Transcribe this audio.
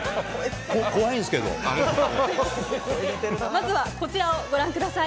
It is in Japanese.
こ、まずはこちらをご覧ください。